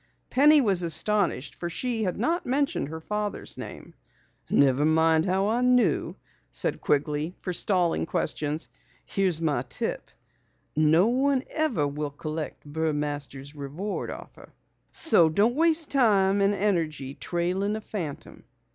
Penny was astonished for she had not mentioned her father's name. "Never mind how I knew," said Quigley, forestalling questions. "Here's my tip. No one ever will collect Burmaster's reward offer. So don't waste time and energy trailing a phantom."